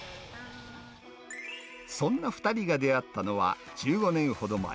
そんな２人が出会ったのは１５年ほど前。